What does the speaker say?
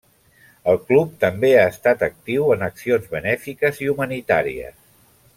El club també ha estat actiu en accions benèfiques i humanitàries.